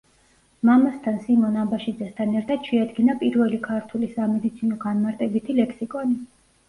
მამასთან სიმონ აბაშიძესთან ერთად შეადგინა პირველი ქართული სამედიცინო განმარტებითი ლექსიკონი.